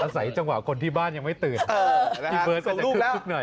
ใส่จังหวะคนที่บ้านยังไม่ตื่นพี่เบิร์ตก็จะคึกหน่อย